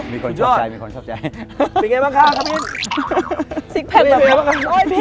มีคนชอบใจเป็นยังไงบ้างคะครับพิธี